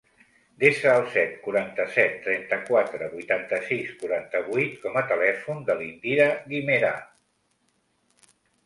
Desa el set, quaranta-set, trenta-quatre, vuitanta-sis, quaranta-vuit com a telèfon de l'Indira Guimera.